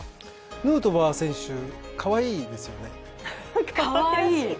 ヌートバー選手、かわいいですよね。